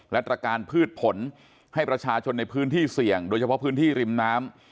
และตรการพืชผลให้ประชาชนในพื้นที่เสี่ยงโดยเฉพาะพื้นที่ริมน้ำ